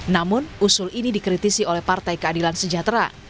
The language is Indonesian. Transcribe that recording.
namun usul ini dikritisi oleh partai keadilan sejahtera